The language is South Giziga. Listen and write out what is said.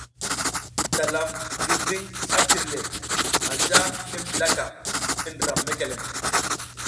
Dalam ngi ving a cirle, anja i mbizlaka i ndram mekelem.